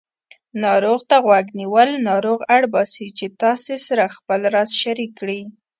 ناروغ ته غوږ نیول ناروغ اړباسي چې تاسې سره خپل راز شریک کړي